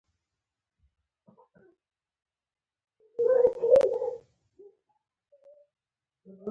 دا دي ما خپل اقتباس ده، يا دا زما خپل اقتباس دى